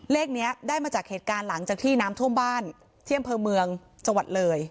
เลขนี้ได้มาจากเหตุการณ์หลังจากที่น้ำท่วมบ้านที่อำเภอเมืองจังหวัดเลย